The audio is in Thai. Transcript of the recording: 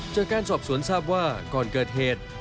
จากการสอบสวนทราบว่าก่อนเกิดเหตุ